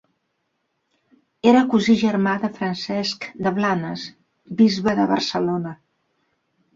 Era cosí germà de Francesc de Blanes, bisbe de Barcelona.